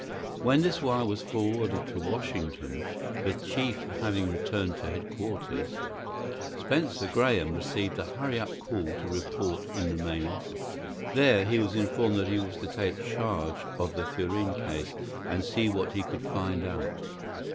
When this wire was forwarded to Washington, the chief having returned to headquarters, Spencer Graham received a hurry up call to report in the main office. There he was informed that he was to take charge of the Thurene case and see what he could find out.